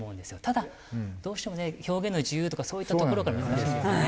ただどうしてもね表現の自由とかそういったところから難しいですよね。